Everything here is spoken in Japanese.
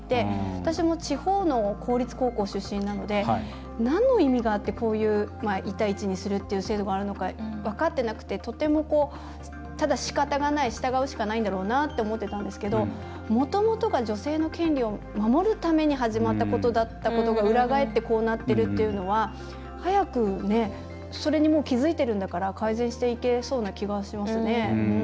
私も地方の公立高校出身なのでなんの意味があってこういう１：１にするという制度があるのか分かってなくてただ、しかたがない従うしかないだろうなと思ってたんですけどもともとが女性の権利を守るために始まったことだったことが裏返ってこうなってるというのは早く、それに気付いてるんだから改善していけそうな気はしますね。